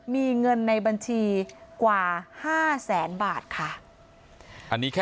มีเงินในบัญชีกว่า๕แสนบาทค่ะ